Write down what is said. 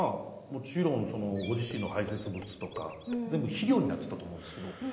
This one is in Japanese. もちろんご自身の排泄物とか全部肥料になってたと思うんですけど。